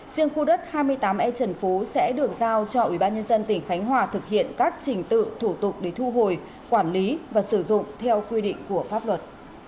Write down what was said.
riêng khu đất hai mươi tám e trần phú sẽ được giao cho ubnd tỉnh khánh hòa thực hiện các trình tự thủ tục để thu hồi quản lý và sử dụng theo quy định của pháp luật